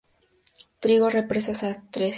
Trigo Represas, Astrea, Bs.